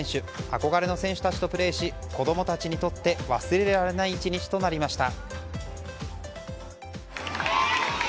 憧れの選手たちとプレーし子供たちにとって忘れられない１日となりました。